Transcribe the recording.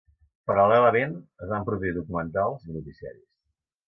Paral·lelament, es van produir documentals i noticiaris.